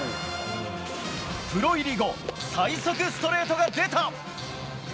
プロ入り後最速ストレートが出た！